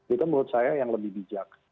itu menurut saya yang lebih bijak